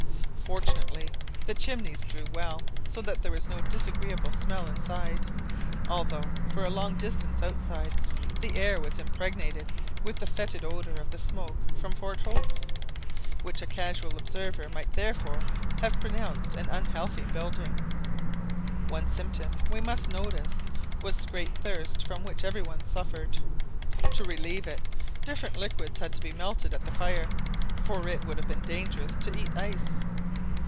Fortunately the chimneys drew well, so that there was no disagreeable smell inside, although for a long distance outside the air was impregnated with the fetid odour of the smoke from Fort Hope, which a casual observer might therefore have pronounced an unhealthy building. One symptom we must notice was the great thirst from which every one suffered. To relieve it, different liquids had to be melted at the fire, for it would have been dangerous to eat ice.